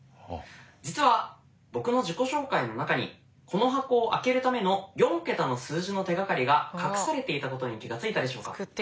実は僕の自己紹介の中にこの箱を開けるための４桁の数字の手がかりが隠されていたことに気が付いたでしょうか。